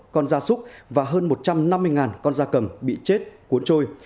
hai trăm bảy mươi một con da súc và hơn một trăm năm mươi con da cầm bị chết cuốn trôi